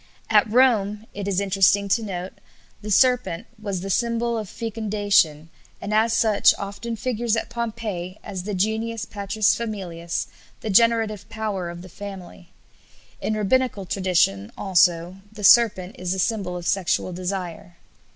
At Rome, it is interesting to note, the serpent was the symbol of fecundation, and as such often figures at Pompeii as the genius patrisfamilias, the generative power of the family. In Rabbinical tradition, also, the serpent is the symbol of sexual desire.